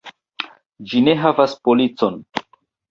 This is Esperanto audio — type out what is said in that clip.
Ĝi ne havas policon.